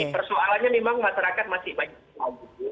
persoalannya memang masyarakat masih banyak yang maju